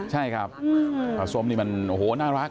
ใช่ครับส่วนปลาส้มนี้มันน่ารัก